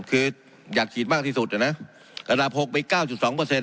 คืออยากฉีดมากที่สุดอ่ะนะระดับหกไปเก้าจุดสองเปอร์เซ็